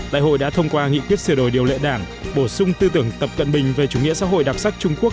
đại hội đã thông qua nghị quyết sửa đổi điều lệ đảng bổ sung tư tưởng tập cận bình về chủ nghĩa xã hội đặc sắc trung quốc